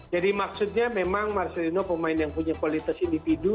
jadi maksudnya memang marcelino pemain yang punya kualitas individu